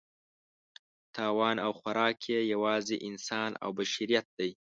تاوان او خوراک یې یوازې انسان او بشریت دی.